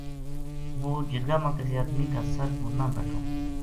وہ جرگا ما کسے آدمی کا سر پو نہ بیٹھو